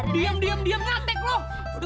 diam diam ngatek lu